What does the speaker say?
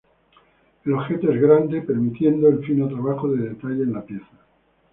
El objeto es grande, permitiendo el fino trabajo de detalle en la pieza.